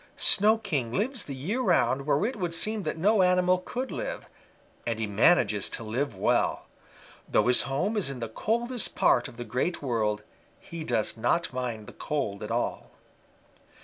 Snow King lives the year round where it would seem that no animal could live, and he manages to live well. Though his home is in the coldest part of the Great World, he does not mind the cold at all.